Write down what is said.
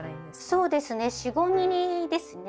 そうですね４５ｍｍですね。